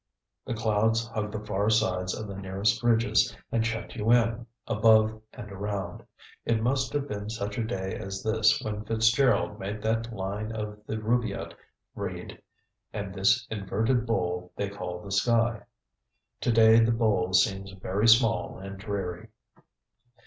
The clouds hug the far sides of the nearest ridges and shut you in, above and around. It must have been such a day as this when Fitzgerald made that line of the Rubaiyat read: "And this inverted bowl they call the sky." Today the bowl seems very small and dreary.